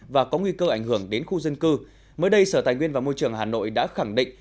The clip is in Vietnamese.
và có nguy cơ ảnh hưởng đến khu dân cư mới đây sở tài nguyên và môi trường hà nội đã khẳng định